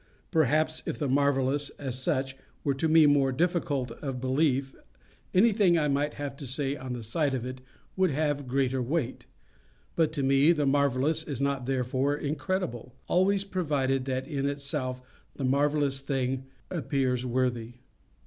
Perhaps if the marvellous, as such, were to me more difficult of belief, anything I might have to say on the side of it would have greater weight. But to me the marvellous is not therefore incredible, always provided that in itself the marvellous thing appears worthy.